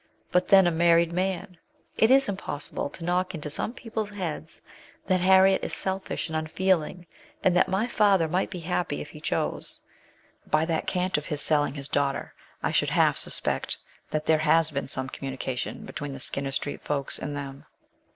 But then a married man ! It is impossible to knock into some people's heads that Harriet is selfish and uufeeling, and that my father might be happy if he chose. By that cant of selling his daughter, I should half suspect that there has been some communication between the Skinner Street folks and them."